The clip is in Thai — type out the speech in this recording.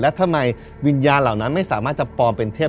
แล้วทำไมวิญญาณเหล่านั้นไม่สามารถจะปลอมเป็นเทพ